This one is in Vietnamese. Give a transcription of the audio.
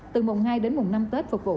từ mùng hai đến mùng năm tết phục vụ